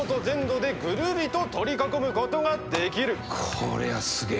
こりゃすげえ。